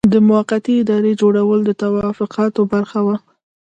د موقتې ادارې جوړول د توافقاتو برخه وه.